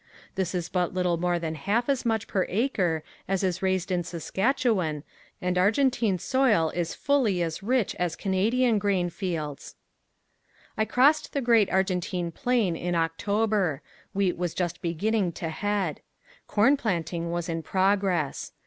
This is but little more than half as much per acre as is raised in Saskatchewan and Argentine soil is fully as rich as Canadian grain fields. I crossed the great Argentine plain in October. Wheat was just beginning to head. Corn planting was in progress.